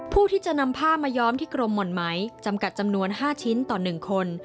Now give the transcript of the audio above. ผู้ที่จะนำผ้ามาย้อมที่กรมห่อนไหมจำกัดจำนวน๕ชิ้นต่อ๑คน